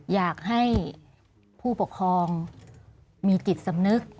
อยากให้ผู้ปกครองมีจิตสำนึก